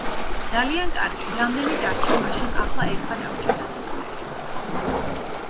ძალიან კარგი. რამდენი დარჩა მაშინ ახლა ეგღა დაგვრჩა დასათვლელი.